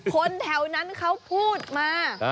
คนแถวนั้นเขาพูดมา